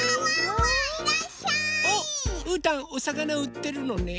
おっうーたんおさかなうってるのね。